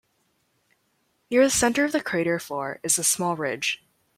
Near the center of the crater floor is a small ridge.